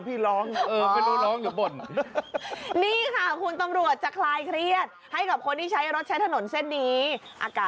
ก็ยังจงลาเขาเอง